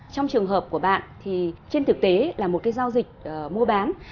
trong trường hợp của bạn thì trên thực tế là một cái giao dịch mua bán